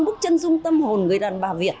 bức chân dung tâm hồn người đàn bà việt